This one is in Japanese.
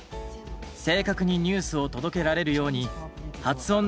正確にニュースを届けられるように発音などをチェック。